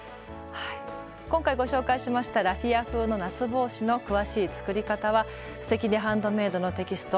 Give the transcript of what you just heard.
今回ご紹介しましたラフィア風の夏帽子の詳しい作り方は「すてきにハンドメイド」のテキスト